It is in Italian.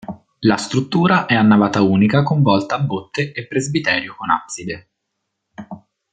La struttura è a navata unica con volta a botte e presbiterio con abside.